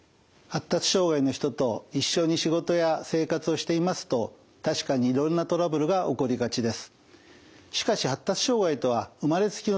発達障害の人と一緒に仕事や生活をしていますと確かにいろんなトラブルが起こりがちです。